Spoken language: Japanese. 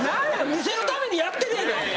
見せるためにやってるやないか！